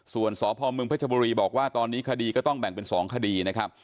ส่วนสพมเพชรบุรีบอกว่าตอนนี้คดีก็ต้องแบ่งเป็น๒คดีนะครับ